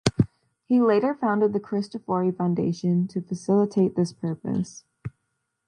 He later founded the Cristofori Foundation to facilitate this purpose.